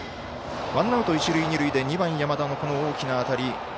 ワンアウト、一塁二塁で２番、山田のこの大きな当たり。